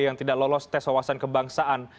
yang tidak lolos tes wawasan kebangsaan